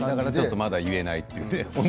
まだ言えないということで。